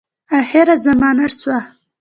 آخره زمانه سوه .